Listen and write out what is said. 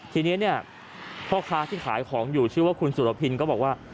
ทีนี้เนี่ยพ่อค้าที่ขายของอยู่ชื่อว่าคุณสุรพินก็บอกว่า